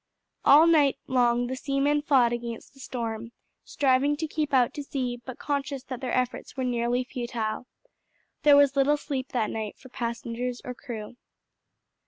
All night long the seamen fought against the storm, striving to keep out to sea, but conscious that their efforts were nearly futile. There was little sleep that night for passengers or crew.